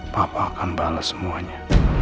papa akan bales semuanya